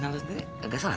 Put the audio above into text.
nangis sendiri gak sholat